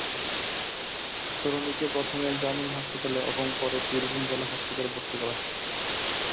তরুণীকে প্রথমে গ্রামীণ হাসপাতালে এবং পরে বীরভূম জেলা হাসপাতালে ভর্তি করা হয়।